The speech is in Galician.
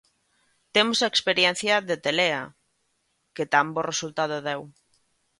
Temos a experiencia de Telea, que tan bo resultado deu.